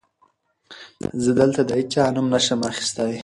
زه دلته د هېچا نوم نه شم اخيستی.